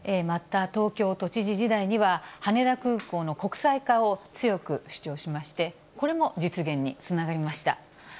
また、東京都知事時代には、羽田空港の国際化を強く主張しまして、これも実現につながりました。